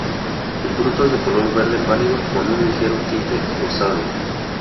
El fruto es de color verde pálido con un ligero tinte rosado.